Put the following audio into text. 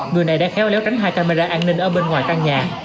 người này đã khéo léo tránh hai camera an ninh ở bên ngoài căn nhà